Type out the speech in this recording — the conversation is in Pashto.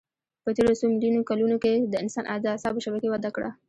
په تېرو څو میلیونو کلونو کې د انسان د اعصابو شبکې وده کړه.